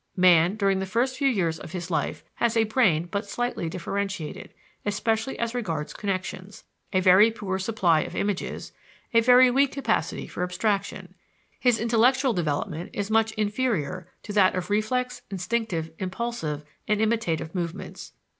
Man, during the first years of his life, has a brain but slightly differentiated, especially as regards connections, a very poor supply of images, a very weak capacity for abstraction. His intellectual development is much inferior to that of reflex, instinctive, impulsive, and imitative movements.